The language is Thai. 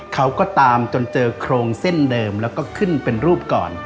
เขาก็ตามจนเจอโครงเส้นเดิมแล้วก็ขึ้นเป็นรูปก่อน